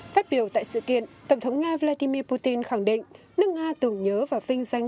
phát biểu tại sự kiện tổng thống nga vladimir putin khẳng định nước nga tưởng nhớ và vinh danh